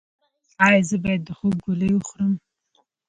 ایا زه باید د خوب ګولۍ وخورم؟